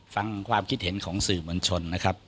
ฟังความคิดเห็นของสื่อมวลชนนะครับ